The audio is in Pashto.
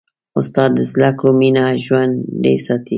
استاد د زدهکړو مینه ژوندۍ ساتي.